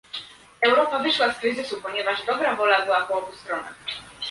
Europa wyszła z kryzysu, ponieważ dobra wola była po obu stronach